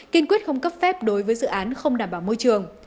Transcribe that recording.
kiên quyết không cấp phép đối với dự án không đảm bảo môi trường